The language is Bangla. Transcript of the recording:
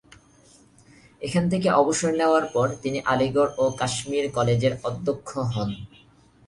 এখান থেকে অবসর নেওয়ার পর তিনি আলিগড় ও কাশ্মীর কলেজের অধ্যক্ষ হন।